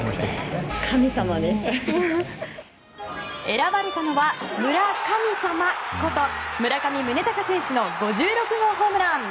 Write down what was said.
選ばれたのは村神様こと村上宗隆選手の５６号ホームラン。